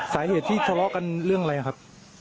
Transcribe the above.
สาเหตุที่ทะเลาะกันเรื่องอะไรครับ